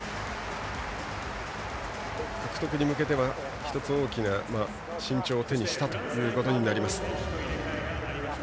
日本はラインアウト獲得に向けては１つ大きな身長を手にしたということになります。